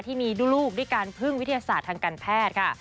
ที่มีดูลูกด้วยการพึ่งวิทยาศาสตร์ทางการแพทย์ค่ะ